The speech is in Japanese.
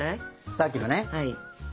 さっきのね？